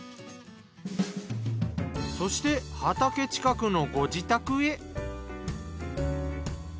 そして畑近くのご自宅へ。